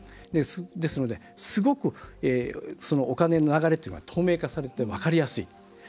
ですので、すごくお金の流れっていうのは透明化されて分かりやすい。